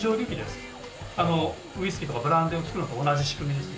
あのウイスキーとかブランデーを造るのと同じ仕組みですね。